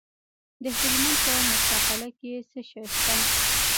د هلمند په موسی قلعه کې څه شی شته؟